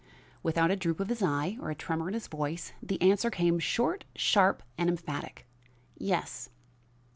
Without a droop of his eye, or a tremor in his voice, the answer came short, sharp and emphatic: "Yes."